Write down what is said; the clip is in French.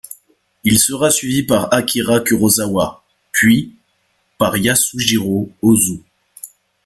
Il sera suivi par Akira Kurosawa, puis par Yasujirō Ozu.